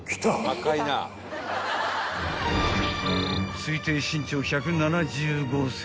［推定身長１７５ｃｍ］